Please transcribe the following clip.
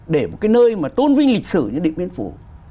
để một cái nơi mà tôn vinh nghịch sử như địa miền phủ